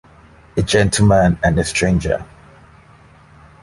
A gentleman and a stranger!